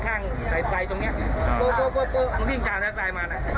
ดัง๔ครั้งก่อนไป